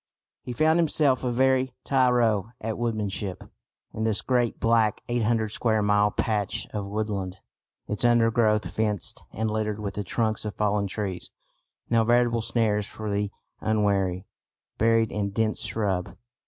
He found himself a very tyro at woodmanship in this great black eight hundred square mile patch of woodland, its undergrowth fenced and littered with the trunks of fallen trees, now veritable snares for the unwary, buried in dense shrub.